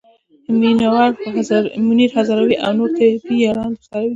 منیر هزاروی او نورې طبې یاران درسره وي.